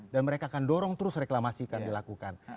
dan mereka akan dorong terus reklamasi akan dilakukan